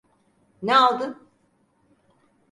Ne aldın?